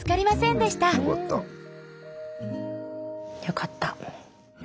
よかった！